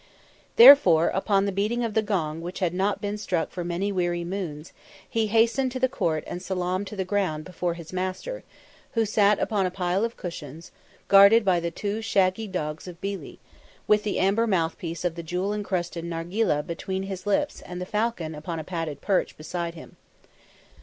Therefore, upon the beating of the gong which had not been struck for many weary moons, he hastened to the court and salaamed to the ground before his master, who sat upon a pile of cushions, guarded by the two shaggy dogs of Billi, with the amber mouthpiece of the jewel encrusted nargileh between his lips and the falcon upon a padded perch beside him.